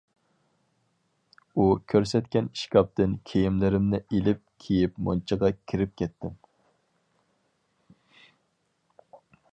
ئۇ كۆرسەتكەن ئىشكاپتىن كىيىملىرىمنى ئېلىپ كىيىپ مۇنچىغا كىرىپ كەتتىم.